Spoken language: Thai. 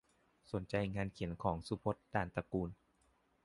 สนใจงานเขียนของ สุพจน์ ด่านตระกูล